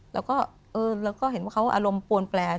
แล้วก็เห็นว่าเขาอารมณ์ปวนแปล